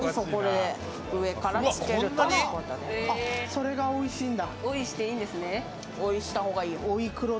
それがおいしいんだ。